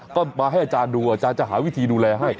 ก็มาให้อาจารย์ดูอาจารย์จะหาวิธีดูแลให้